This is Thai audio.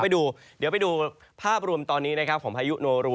เดี๋ยวไปดูภาพรวมตอนนี้ของพายุโนรู